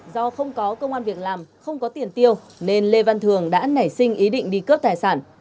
do không có công an việc làm không có tiền tiêu nên lê văn thường đã nảy sinh ý định đi cướp tài sản